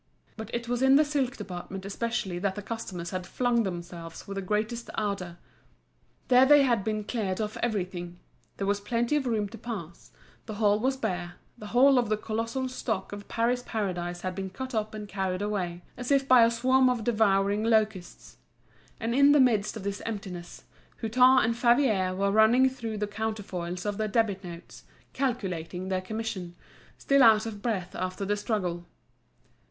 But it was in the silk department especially that the customers had flung themselves with the greatest ardour. There they had cleared off everything, there was plenty of room to pass, the hall was bare; the whole of the colossal stock of Paris Paradise had been cut up and carried away, as if by a swarm of devouring locusts. And in the midst of this emptiness, Hutin and Favier were running through the counterfoils of their debit notes, calculating their commission, still out of breath after the struggle.